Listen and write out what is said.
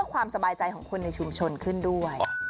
ความสบายใจของคนในชุมชนขึ้นด้วย